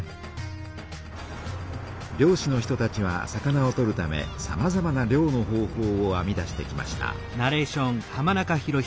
漁師の人たちは魚を取るためさまざまな漁の方法をあみ出してきました。